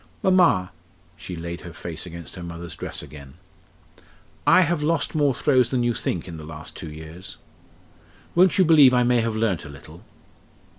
"Mamma " she laid her face against her mother's dress again "I have lost more throws than you think in the last two years. Won't you believe I may have learnt a little?"